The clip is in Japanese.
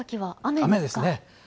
雨ですね。